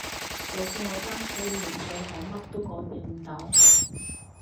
就算我爭取完最後乜都改變唔到